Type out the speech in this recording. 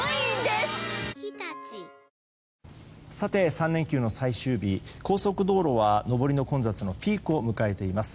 ３連休の最終日高速道路は上りの混雑のピークを迎えています。